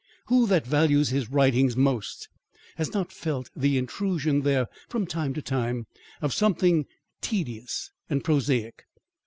Who that values his writings most has not felt the intrusion there, from time to time, of something tedious and prosaic?